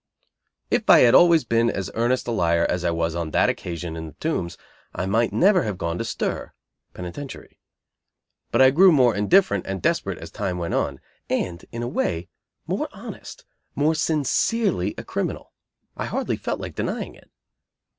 If I had always been as earnest a liar as I was on that occasion in the Tombs I might never have gone to "stir" (penitentiary); but I grew more indifferent and desperate as time went on; and, in a way, more honest, more sincerely a criminal: I hardly felt like denying it.